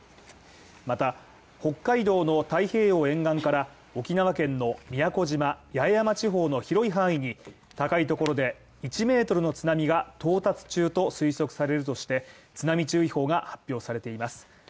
また、北海道の太平洋沿岸から、沖縄県の宮古島・八重山地方の広い範囲に高いところで１ｍの津波が到達中と推測されるとして、津波注意報が発表されています。